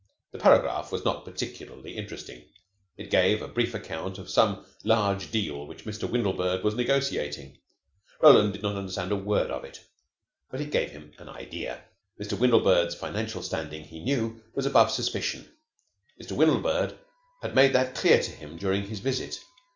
The paragraph was not particularly interesting. It gave a brief account of some large deal which Mr. Windlebird was negotiating. Roland did not understand a word of it, but it gave him an idea. [*] He is a character in the Second Episode, a fraudulent financier. Mr. Windlebird's financial standing, he knew, was above suspicion. Mr. Windlebird had made that clear to him during his visit.